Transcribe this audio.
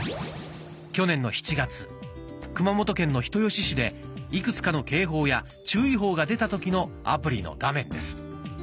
去年の７月熊本県の人吉市でいくつかの警報や注意報が出た時のアプリの画面です。